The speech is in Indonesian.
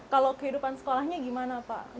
kalau kehidupan sekolahnya gimana pak